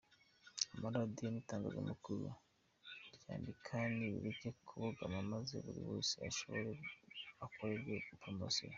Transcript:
Amaradiyo n’itangazamakuru ryandika nibireke kubogama maze buri wese ushoboye akorerwe promotion.